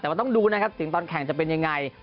แต่ว่าต้องดูนะครับถึงตอนแข่งจะเป็นยังไง